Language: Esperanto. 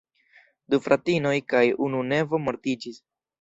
Du fratinoj kaj unu nevo mortiĝis.